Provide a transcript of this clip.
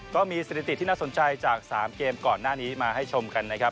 ก็มีสถิติที่น่าสนใจจาก๓เกมก่อนหน้านี้มาให้ชมกันนะครับ